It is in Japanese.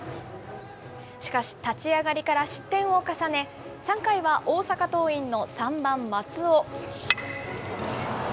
しかし立ち上がりから失点を重ね、３回は大阪桐蔭の３番松尾。